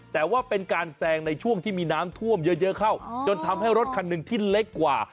แต่ว่าเป็นการแซงในช่วงที่มีน้ำท่วมเยอะเข้าจนทำให้รถคันหนึ่งที่เล็กกว่า